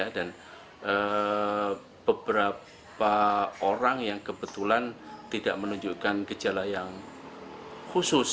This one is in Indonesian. dan beberapa orang yang kebetulan tidak menunjukkan gejala yang khusus